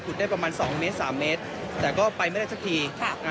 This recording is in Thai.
ได้ประมาณสองเมตรสามเมตรแต่ก็ไปไม่ได้สักทีค่ะอ่า